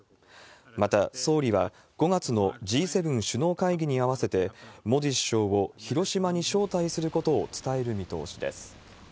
また、総理は５月のＧ７首脳会議に合わせて、モディ首相を広島に招待することを伝える見通しです。